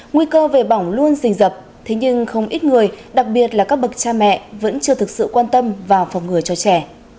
nguy cơ về bỏng luôn rình dập thế nhưng không ít người đặc biệt là các bậc cha mẹ vẫn chưa thực sự quan tâm vào phòng ngừa cho trẻ